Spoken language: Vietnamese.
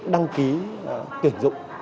đăng ký tuyển dụng